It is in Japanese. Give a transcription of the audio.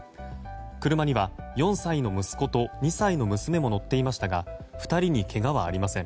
車には４歳の息子と２歳の娘も乗っていましたが２人にけがはありません。